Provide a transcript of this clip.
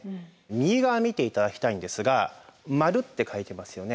右側見て頂きたいんですが○って書いてますよね。